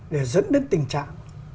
để dẫn đến tình trạng